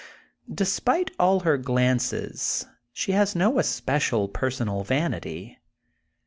Despite all her graces she has no especial personal vanity.